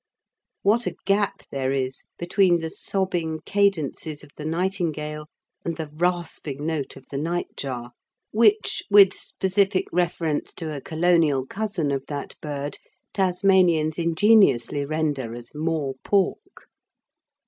What a gap there is between the sobbing cadences of the nightingale and the rasping note of the nightjar, which, with specific reference to a Colonial cousin of that bird Tasmanians ingeniously render as "more pork"!